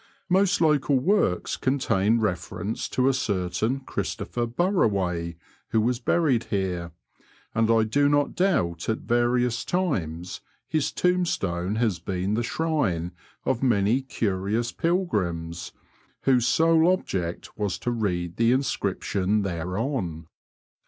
Most local works contain reference to a certain Christopher Barraway, who was baried here, and I do not doubt at various times his tombstone has been the shrine of many curious pilgrims whose sole object was to read the inscription thereon.